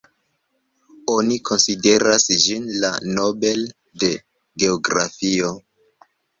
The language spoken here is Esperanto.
Oni konsideras ĝin la Nobel de geografio.